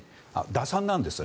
打算なんです。